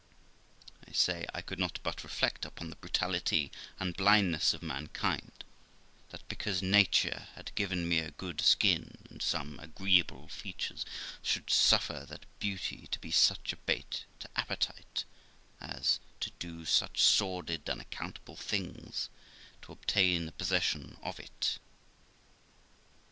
I say, I could not but reflect upon the brutality and blindness of mankind ; that because nature had given me a good skin and some agree able features, should suffer that beauty to be such a bait to appetite as to do such sordid, unaccountable things to obtain the possession of it.